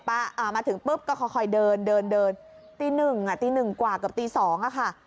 อ่ามาถึงปุ๊บก็ค่อยเดินตีหนึ่งอ่ะตีหนึ่งกว่ากับตีสองอ่ะค่ะ